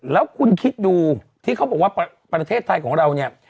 แล้วคุณคิดดูที่เขาบอกว่าประเทศไทยของเราเนี่ย